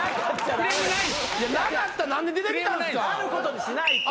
なかったら何で出てきたんですか？